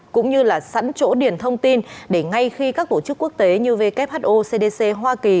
cũng như sẵn chỗ điền thông tin để ngay khi các tổ chức quốc tế như who cdc hoa kỳ